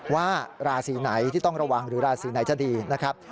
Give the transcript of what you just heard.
ว่าราศีไหนที่ต้องระวังหรือราศีไหนจะดีนะครับ